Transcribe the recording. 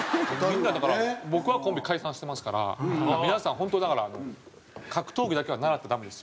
みんなだから僕はコンビ解散してますから皆さん本当だから格闘技だけは習ったらダメですよ。